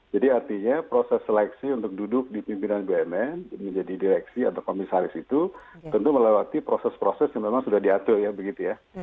jadi artinya proses seleksi untuk duduk di pimpinan bumn menjadi direksi atau komisaris itu tentu melewati proses proses yang memang sudah diatur ya begitu ya